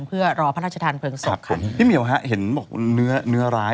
เพื่อรอพระราชทานเพลิงศพพี่เหมียวฮะเห็นบอกเนื้อเนื้อร้าย